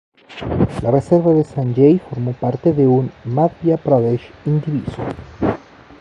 La reserva de Sanjay formó parte de un Madhya Pradesh indiviso.